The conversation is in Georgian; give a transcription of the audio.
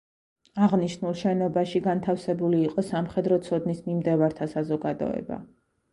აღნიშნულ შენობაში განთავსებული იყო სამხედრო ცოდნის მიმდევართა საზოგადოება.